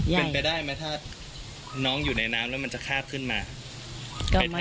ใหญ่มั้ยถ้าน้องอยู่ในน้ำแล้วมันจะขาดขึ้นมาก็ไม่